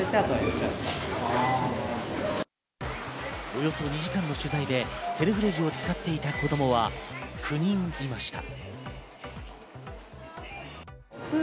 およそ２時間の取材でセルフレジを使っていた子供は９人いました。